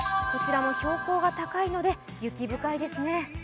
こちらも標高が高いので雪深いですね。